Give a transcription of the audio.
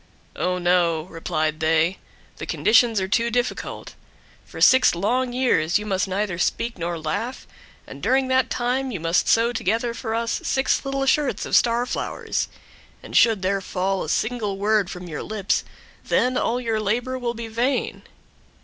"Oh, no," replied they, "the conditions are too difficult. For six long years you must neither speak nor laugh, and during that time you must sew together for us six little shirts of star flowers, and should there fall a single word from your lips, then all your labor will be vain."